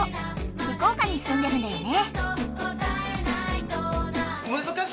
福岡に住んでるんだよね。